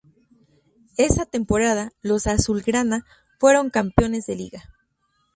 Esa temporada los azulgrana fueron campeones de liga.